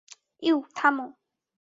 You, থামো।